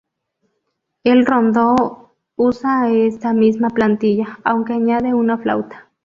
El rondó usa esta misma plantilla, aunque añade una flauta.